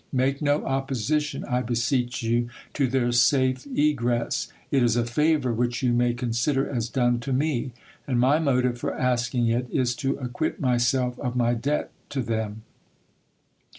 Make no opposition, I beseech you, to their safe egress ; it is a favour which you may consider as done t<5 me, and my motive for asking it is to acquit myself of my debt to them.